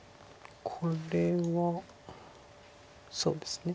これはそうですね